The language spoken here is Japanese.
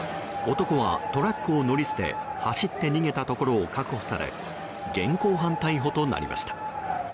男はトラックを乗り捨て走って逃げたところを確保され現行犯逮捕となりました。